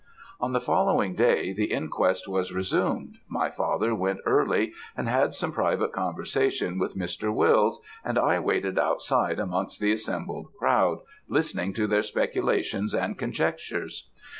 "On the following day the inquest was resumed; my father went early and had some private conversation with Mr. Wills and I waited outside amongst the assembled crowd, listening to their speculations and conjectures.